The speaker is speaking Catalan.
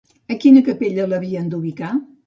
A quina capella l'havien d'ubicar?